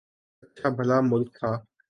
اچھا بھلا ملک تھا۔